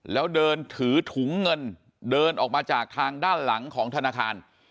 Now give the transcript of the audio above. แล้วเดินถือถุงเงินเดินออกมาจากทางด้านหลังของธนาคาร